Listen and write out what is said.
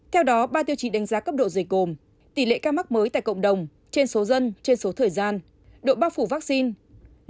theo đó ba tiêu chí đánh giá cấp độ dịch gồm tỷ lệ ca mắc mới tại cộng đồng trên số dân trên số thời gian độ bao phủ vaccine